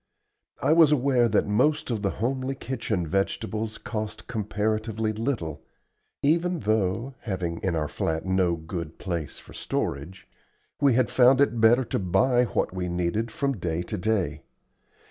I was aware that most of the homely kitchen vegetables cost comparatively little, even though (having in our flat no good place for storage) we had found it better to buy what we needed from day to day.